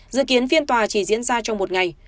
dự kiến phiên tòa chỉ diễn ra trong một ngày